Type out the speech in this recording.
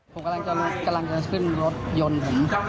ผมกำลังจะขึ้นรถยนต์ผม